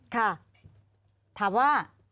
ค่ะถามว่า